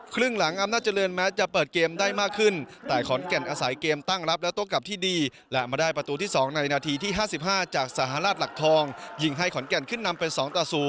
ครึ่งหลังอำนาจเจริญแม้จะเปิดเกมได้มากขึ้นแต่ขอนแก่นอาศัยเกมตั้งรับและโต้กลับที่ดีและมาได้ประตูที่๒ในนาทีที่๕๕จากสหรัฐหลักทองยิงให้ขอนแก่นขึ้นนำเป็น๒ต่อ๐